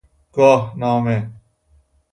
گاهنامه